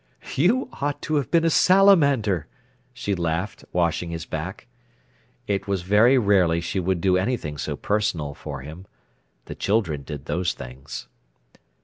"You ought to have been a salamander," she laughed, washing his back. It was very rarely she would do anything so personal for him. The children did those things.